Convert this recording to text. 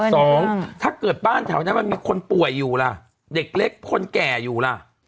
สองถ้าเกิดบ้านแถวนั้นมันมีคนป่วยอยู่ล่ะเด็กเล็กคนแก่อยู่ล่ะ